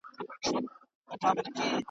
حیرانوونکی دی